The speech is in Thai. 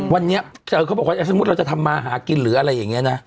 วันนี้เขาบอกว่าสมมุติเราจะทำมาหากินหรืออะไรอย่างนี้นะ